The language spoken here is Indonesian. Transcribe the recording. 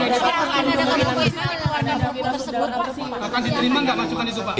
masukan itu yang lain pak